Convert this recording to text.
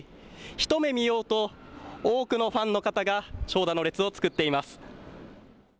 一目見ようと多くのファンの方が長蛇の列を作っています。